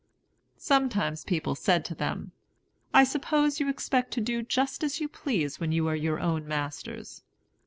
Sometimes people said to them, "I suppose you expect to do just as you please when you are your own masters?"